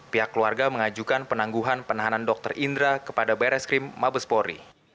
pihak keluarga mengajukan penangguhan penahanan dr indra kepada beres krim mabespori